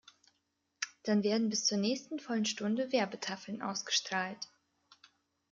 Dann werden bis zur nächsten vollen Stunde Werbetafeln ausgestrahlt.